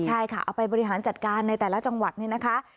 ใช่ค่ะเอาไปบริหารจัดการในแต่ละจังหวัดนี่นะคะ